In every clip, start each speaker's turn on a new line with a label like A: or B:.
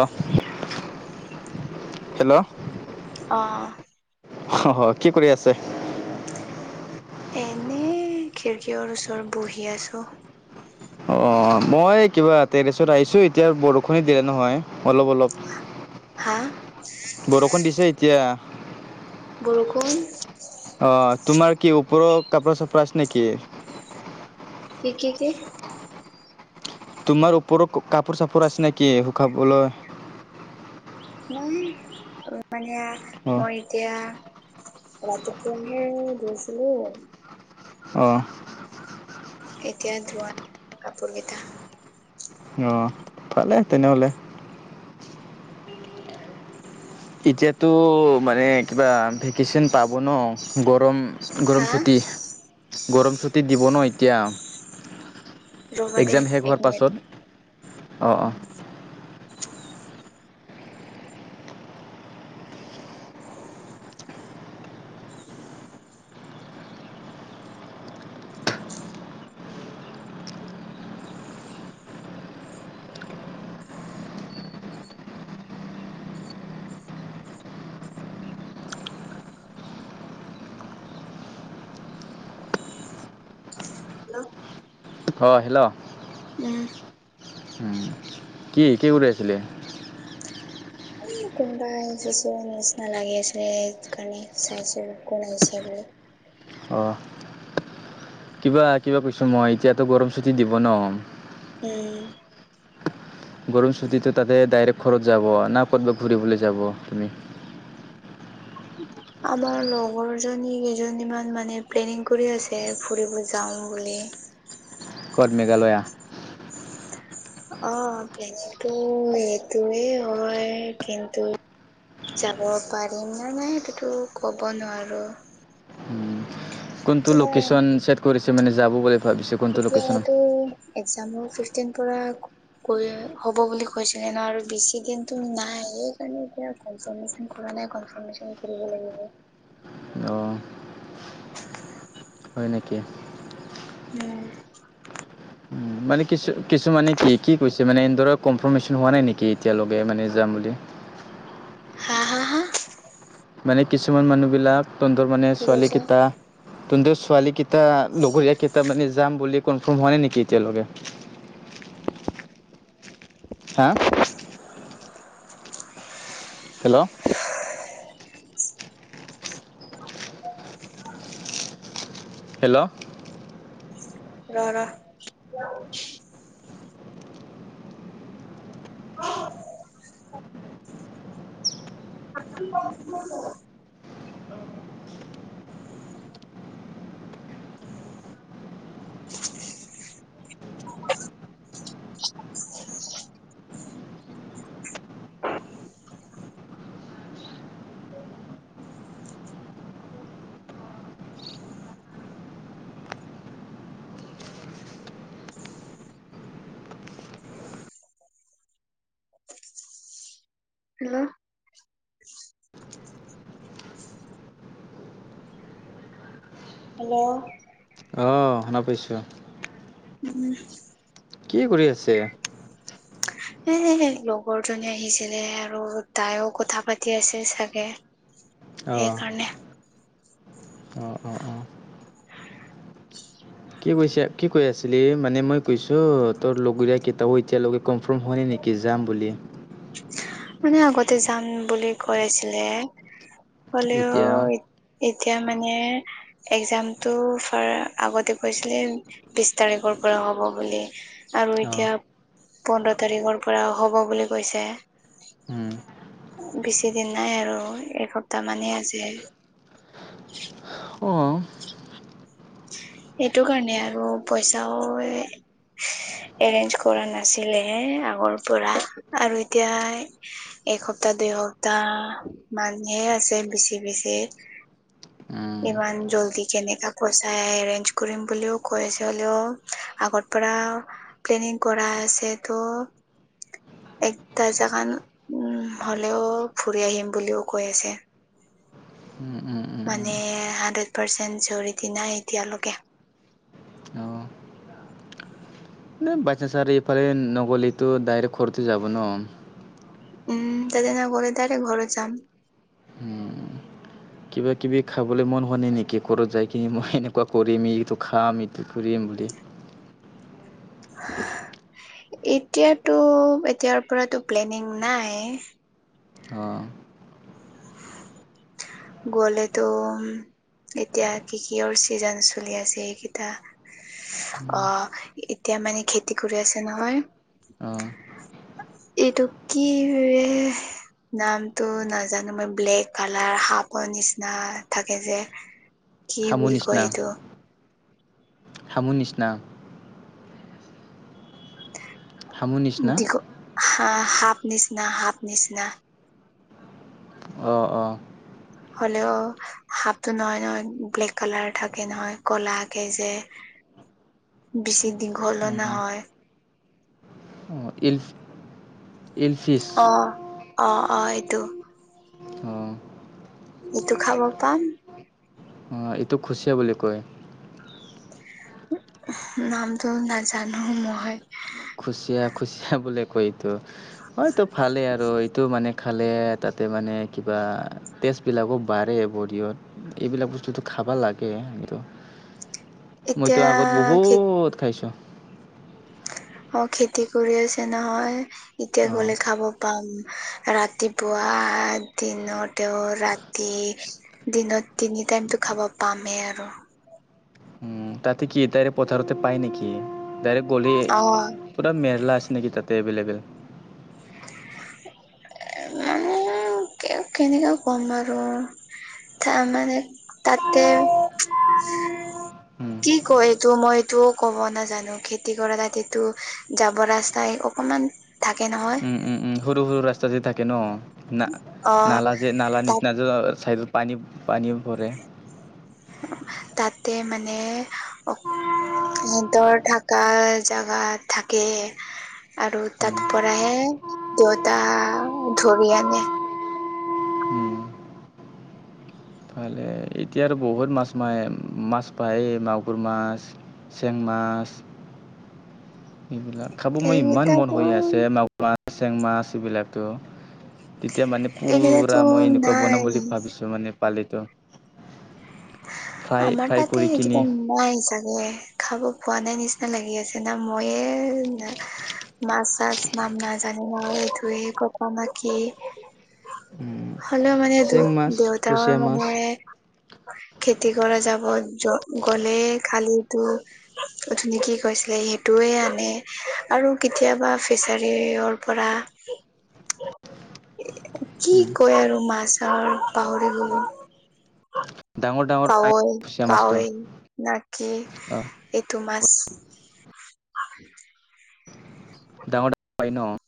A: অ' hello.
B: অ
A: অহ' কি কৰি আছে?
B: এনে খিৰিকীৰ ওচৰত বহি আছো।
A: অ' মই কিবা তেৰেছত আহিছো এতিয়া বৰষুণি দিলে নহয়, অলপ, অলপ।
B: হা
A: বৰষুণ দিছে এতিয়া।
B: বৰষুণ।
A: অ' তোমাৰ কি ওপৰৰ কাপোৰ চাপোৰ আছে নেকি?
B: কি কি কি?
A: তোমাৰ ওপৰৰত কাপোৰ চাপোৰ আছে নেকি শুখাবলৈ?
B: মই মানে
A: অ
B: মই এতিয়া। ৰাতিপিনে দিছিলো।
A: অ
B: এতিয়া ধোৱা কাপোৰকেইটা।
A: অ ভালে তেনেহ'লে। এতিয়াতো মানে কিবা ভেকেচন পাব ন গৰম। গৰম
B: হা
A: চুটি, গৰম চুটি দিব ন এতিয়া।
B: ৰ'বা দেই
A: এক্সাম শেষ
B: এক
A: হোৱাৰ
B: মিনিট
A: পাছত। অ'অ'।
B: [inaudible]
A: অ হেল্ল'।
B: উম।
A: উম, কি কি কৰি আছিলি?
B: কোনোবাই আহিছে চোৱা নিচিনা লাগি আছিলে সেইটো কাৰণে চাইছো কোন আহিছে বুলি।
A: অ'। কিবা কিবা কৈছো মই এতিয়াতো গৰম চুটি দিব ন?
B: উম।
A: গৰম ছুটীটো তাতে ডাইৰেক্ট ঘৰত যাব না ক'ৰবাত ঘূৰিবলৈ যাব আপুনি?
B: আমাৰ লগৰ জনী কেইজনীমান মানে প্লেনিং কৰি আছে ফুৰিব যাওঁ বুলি।
A: ক'ত মেঘালয়া?
B: অ' প্লেনিংটো সেইটোৱেই হয় কিন্তু যাব পাৰিম নে নাই সেইটোতো ক'ব নোৱাৰো।
A: কোনটো
B: এতিয়া
A: লোকেশ্যন ছেট কৰিছে মানে যাব বুলি ভাবিছে কোনটো লোকেশ্যনত
B: এতিয়াতো এক্সামু ফিফটিন পৰা কলে হ'ব বুলি কৈছিলে ন আৰু বেছি দিনতু নাই সেই কাৰণে এতিয়া কনফাৰমেশন কৰা মানে কনফাৰমেশন কৰিব লাগিব।
A: অ'। হয় নেকি?
B: উম।
A: মানে কিছু-কিছুমানে কি কি কৈছে? এতিয়া মানে এন্দৰে কনফাৰ্মেশ্যন হোৱা নাই নেকি এতিয়ালৈকে মানে যাম বুলি।
B: হা হা হা?
A: মানে কিছুমান মানুহ বিলাক তন্ধৰ মানে
B: কি
A: ছোৱালী
B: কৈছা
A: কেইটা তন্ধৰ ছোৱালী ক এয়া লগৰীয়া কেইতা মানে যাম বুলি কনফাৰ্ম হোৱা নাই নেকি এতিয়ালৈকে
B: [unintelligible]
A: হা হেল্ল' ? হেল্ল'
B: ৰ ৰহ আ ? হেল্ল' হেল্ল'
A: অ শুনা পাইছো
B: উমম
A: কি কৰি আছে
B: এ লগৰ জনী আহিছিলে আৰু তাইও কথা পাতি আছে চাগে
A: অ',
B: সেইকাৰণে
A: অ', অ', অ', কি কৈছে কি কৈ আছিলি মানে মই কৈছো তোৰ লগৰীয়া কেইটাও এতিয়ালৈকে কনফাৰ্ম হুৱা নাই নেকি কি জাম বুলি
B: মানে আগতে যাম বুলি কৈ আছিলে হলেও
A: এতিয়া
B: এতিয়া মানে একজামটো ফা আগতে কৈছিলে বিশ তাৰিখৰ পৰা হ'ব বুলি আৰু
A: অ',
B: এতিয়া পোন্ধৰ তাৰিখৰ পৰা হ'ব বুলি কৈছে
A: উম,
B: বেছি দিন নাই আৰু এসপ্তাহ মানেই আছে ? সেইটো কাৰণে আৰু পইচাও এৰেঞ্জ কৰা নাছিলে হ আগৰ পৰা আৰু এতিয়া এসপ্তাহ দেউতা, মানুহে আছে বেছি বেছি।
A: [inaudible]
B: ইমান জল্দি কেনেকা কৈচাই এৰেঞ্জ কৰিম বুলিও কৈছে হলেও আগৰ পৰাও প্লেনিং কৰাই আছে ত'
A: [inaudible]
B: একটা জাগান উম, হ'লেও ফুৰি আহিম বুলিও কৈ আছে।
A: উম, উম, উম, উম,
B: মানে হাণ্ড্ৰেড পাৰ্চেণ্ট জৰটি নাই এতিয়ালৈকে।
A: অ'। ন' বাইচানচাৰি আৰু এইফালে নগ'লেতো ডাইৰেক্ট ঘৰতে যাব ন'।
B: উম, তাতে নগ'লে ডাইৰেক্ট ঘৰত যাম।
A: উম। কিবা কিবি খাবলৈ মন হোৱা নাই নেকি, ক'ৰত যাই কিনি মই এনেকুৱা কৰিম ইটো খাম, ইটো কৰিম বুলি। [inaudible]
B: এতিয়াতো এতিয়াৰ পৰাতো প্লেনিং নাই।
A: অ',
B: গলেতো এতিয়া কি কিহৰ চিজন চলি আছে এইকেইটা?
A: উম,
B: অ' এতিয়া মানে খেতি কৰি আছে নহয়?
A: অ'।
B: এইটো কি নামটো নাজানো। ব্লেক কালাৰ সাপৰ নিচিনা থাকে যে। কি
A: হামু
B: বুলি কয় এইটো?
A: হামোন নিচনা? হামু নিচিনা?
B: দিঘ সা-সাপ নিচিনা সাপ নিচিনা।
A: অ', অ'।
B: হলেও সাপটো নহয় নহয় ব্লেক কালাৰ থাকে নহয় কলাকে যে।
A: [inaudible]
B: বেছি দীঘলো
A: অ',
B: নহয়।
A: অ' ইল-ইলফিছ।
B: অ অ', অ' এইটো।
A: অঁ
B: এইটো খাব পাম।
A: অ' এইটোক খুচিয়া বুলি কয়।
B: নামটো নাজানো মই।
A: খুচিয়া খুচিয়া বোলে কয়। এইটো হয়তো ভালেই আৰু এইটো মানে খালে তাতে মানে কিবা টেষ্টবিলাকো বাঢ়ে বডিয়ত, এইবিলাক বস্তুটো খাই খাবা লাগে এইটো। মইটো আগত
B: এতিয়া
A: বহুত খাইছোঁ। [inaudible]
B: অ' খেতি কৰি আছে নহয়, এতিয়া
A: অঁ
B: গলে খাব পাম ৰাতিপুৱা। আ, দিনতেও, ৰাতি, দিনত তিনি টাইমটো খাব পামেই আৰু।
A: [inaudible] উম, তাতে কি তাইৰে পথাৰতে পায় নেকি, ডাইৰেক্ট গ'লে
B: অ
A: পুৰা মেল্লা আছ ছে নেকি তাতে এভেলেবেল? [inaudible]
B: মানে কেনেকা ক'ম বাৰু। তাৰ মানে তাতে
A: উম।
B: কি কয় এইটো মইটো ক'ব নাজানো, খেতি কৰা তাতেটো যাবৰ ৰাস্তাই অকমান থাকে নহয়।
A: উম, উম, উম, সৰু সৰু ৰাস্তা যে থাকে ন'
B: অ
A: না-নালা যে নালা
B: তাত
A: নিচিনা যে ছাইডত পানী পানীও পৰে।
B: তাতে মানে অক সিহঁতৰ থাকা জাগাত থাকে। আৰু তাত
A: উম,
B: পৰাহে দেউতা ধৰি আনি
A: উম, ভালে এতিয়া আৰু বহুত মাছ মাৰে, মাছ পায়েই, মাগুৰ মাছ, চেং মাছ। এইবিলাক, খাব মই ইমান মন
B: এইকেইটাতো
A: হৈ আছে, মাগুৰ মাছ, চেং মাছ এইবিলাকতো। তেতিয়া মানে
B: এইকেইটাতো
A: পুৰা মই এনেকুৱা বনাম
B: নাই
A: বুলি ভাবিছোঁ, মানে পালিটো। ফ্ৰাই
B: আমাৰ
A: ফ্ৰাই
B: তাতেই
A: কৰি
B: এইকেইটা
A: কিনি
B: নাই চা গে, খাব পোৱা নাই নিচিনা লাগি আছে না, মইয়ে মাছ চাছ না নাম নাজানো মই এইটোয়েই ক'ব না কি?
A: উম।
B: হ'লেও মানে দু
A: চেং মাছ,
B: দেউতাৰো
A: কুচিয়া মাছ
B: মানে খেতি কৰা যাব, য' গ'লেই খালিতো অথনি কি কৈছিলে? সেইটোয়েই আনে আৰু কেতিয়াবা ফিছাৰিৰ পৰা এ কি কয় আৰু মাছৰ? পাহৰি গ'লো।
A: ডাঙৰ ডাঙৰ
B: কা,
A: পাই কুচিয়া মাছটো
B: কাৱৈ নেকি?
A: অ'
B: এইটো মাছ [inaudible]
A: ডাঙৰ ডাঙৰ পাই ন',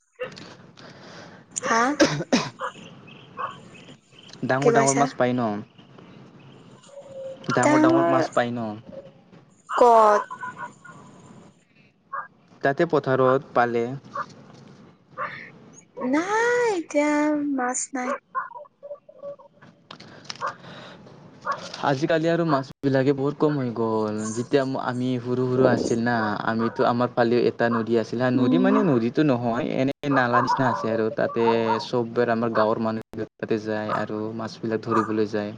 B: হা
A: হেহ হেহ।
B: কি
A: ডাঙৰ ডাঙৰ
B: কৈছা
A: মাছ পায় ন'? ডাঙৰ ডাঙৰ মাছ পায় ন'?
B: ক'ত?
A: তাতেই পথাৰত পালে।
B: নাই এতিয়া মাছ নাই।
A: আজিকালি আৰু মাছ বিলাকে বহুত কম হৈ গ'ল, যেতিয়া আমি সৰু সৰু আছিল না, আমিতো আমাৰ ফালেওঁ এটা নদী আছি ছিল হা, নদী
B: উম
A: মানে নদীতো নহয়, এনে এই নালা নিচিনা আছে আৰু, তাতেই চবৰে আমাৰ গাঁৱৰ মানুহ বিলাক তাতেই যায় আৰু মাছ বিলাক ধৰি ধৰিবলৈ যায়।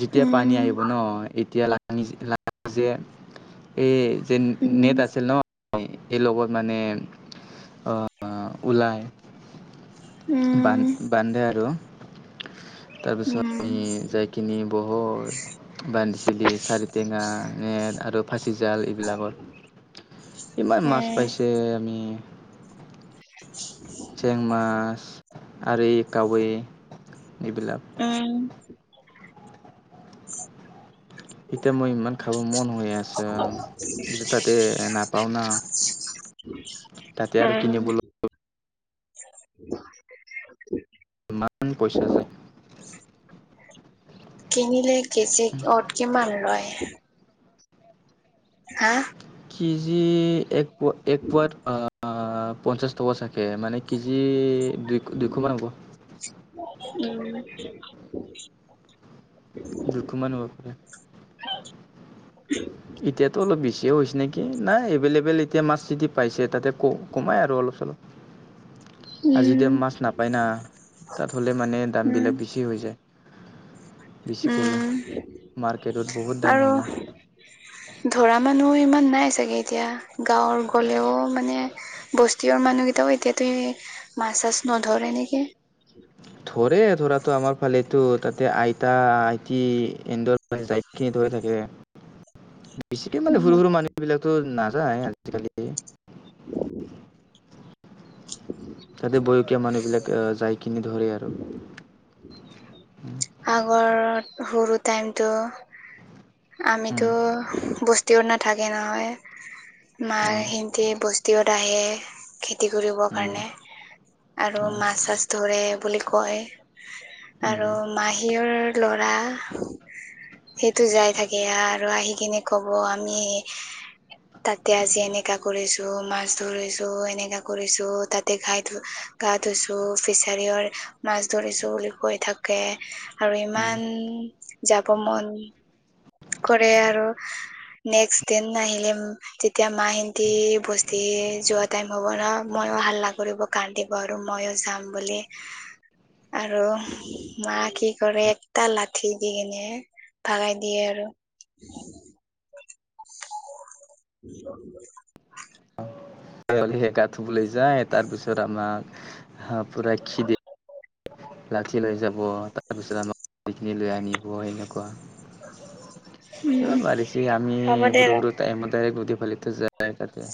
A: যেতিয়া পানী
B: উম
A: আহিব ন, এতিয়া [unintelligible] লাঙি যে এই যে
B: উম
A: নেট আছে ন'। [unintelligible] এই লগত মানে ওলায়।
B: উম
A: বান বান্ধে আৰু,
B: উম
A: তাৰপিছত
B: উম
A: [unintelligible] যাইকিনি বহুত বান্ধিছে দেই, চাৰি টেঙা, নেট আৰু ব ফাঁচী জাল এইবিলাকত, ইমান মাছ পাইছে আমি। চেং মাছ আৰু এই কাৱৈ। এইবিলাক
B: উম।
A: এতিয়া মই ইমান খাব মন হৈ আছে, এতিয়া তাতেই নাপাওঁ না। তাতে আৰু
B: উম।
A: কিনিবলৈ ইমান পইচা যায়।
B: কিনিলে কেজি অত কিমান লয়? হা?
A: কেজি, এক পোৱা, এক পোৱাত অ' পঞ্চাশ টকা চাগে, মানে কেজি দুই দুইশ মান হ'ব।
B: উম।
A: দুইশ মান হ'ব।
B: [inaudible]
A: এতিয়াতো অলপ বেছিয়েই হৈছে নেকি? নাই এভেইলেবেল এতিয়া মাছ চিতি পাইছে, তাতেই ক কমাই আৰু অলপ চলপ। আৰু যিতিয়া
B: উম
A: মাছ নাপায় না, তাত হ'লে মানে দাম
B: উম
A: বিলাক বেছি হৈ যায়। বেছিকৈ লয় মাৰ্কেটত বহুত
B: উম
A: দাম
B: আৰু
A: হয় না
B: ধৰা মানুহ ত, ইমান নাই চাগে এতিয়া গাঁৱৰ গ'লেও মানে বস্তিৰ মানুহ কেইটাও এতিয়া তে। মাছ চাছ নধৰে এনেকে।
A: [unintelligible] ধৰে ধৰাতো আমাৰ ফালে তাতে আইতা আইতি এন্দাইনি যায়নে ধৰি থাকে। কে বেছিকে মানে
B: উম
A: সৰু
B: হম।
A: সৰু মানুহবিলাকতো নাযায় আজিকালি। তাতে বয়কীয়া মানুহ বিলাক আহ যাই কিনি ধৰে আৰু। উম,
B: আগৰত সৰু টাইমতো
A: উম,
B: আমিতো বস্তু। তেওঁ নাথাকে হয় মাহঁতে
A: অ',
B: সিহঁতে বস্তিৰত আহে। খেতি কৰিবৰ
A: উম,
B: কাৰণে আৰু
A: অ',
B: মাছ চাছ ধৰে বুলি কয়।
A: উম,
B: আৰু মাহীয়েৰ ল'ৰা সেইটো যাই থাকে। বেয়া আৰু আহি কিনে ক'ব আমি। তাতে আজি এনেকা কৰিছো, মাছ ধৰিছো, এনেকা কৰিছো তাতে ঘাই ধ গা ধুইছো ফিছাৰী মাছ ধৰিছো বুলি কৈ থাকে আৰু
A: উম।
B: ইমান। যাব মন কৰে আৰু নেক্স দিন নাহিলে তেতিয়া মাহতে বস্তি যোৱা টাইম হ'ব ন মই। হাল্লা কৰিব কান্দিব আৰু মইো যাম বুলি। আৰু মা কি কৰে একটা লাঠি দি কেনে ভাগাই দি। দিয়ে আৰু।
A: ছাগলি সেকা থুবলৈ যায় তাৰপিছত আমাক হ পুৰা খিদি লাঠি লৈ যাব তাৰপিছত আমাকখিনি লৈ আনিব এনেকুৱা।
B: উম
A: এইবাৰ বাৰিছেপাৰিছি আমি
B: হ'ব দে
A: সৰু
B: ৰ
A: সৰু টাইমত প্ৰতিফলিত যে। যায়, তাতে।